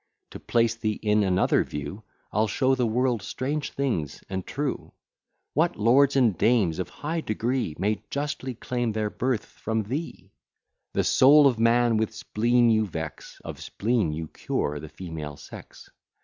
To place thee in another view, I'll show the world strange things and true; What lords and dames of high degree May justly claim their birth from thee! The soul of man with spleen you vex; Of spleen you cure the female sex.